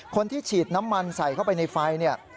คนที่ฉีดน้ำมันใส่เข้าไปในไฟเนี่ย